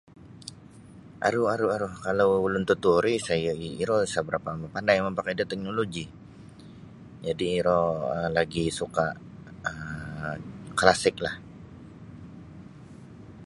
Aru-aru kalau ulun tatuo ri isa yo iro isa barapa mapandai mamakai da teknologi jadi [um]iro lagi suka um klasik lah .